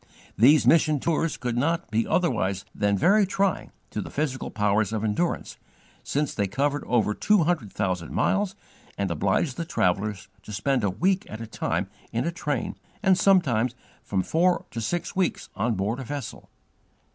These mission tours could not be otherwise than very trying to the physical powers of endurance, since they covered over two hundred thousand miles and obliged the travellers to spend a week at a time in a train, and sometimes from four to six weeks on board a vessel.